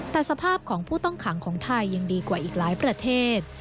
แต่สภาพของผู้ต้องขังของไทยยังดีกว่าอีกหลายประเทศ